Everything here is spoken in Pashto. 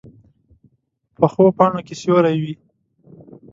پخو پاڼو کې سیوری وي